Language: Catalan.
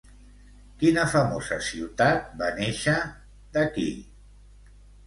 Quina famosa ciutat va néixer, d'aquí?